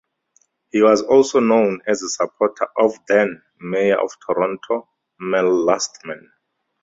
He was also known as a supporter of then-Mayor of Toronto, Mel Lastman.